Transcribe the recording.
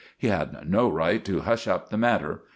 He had no right to hush up the matter.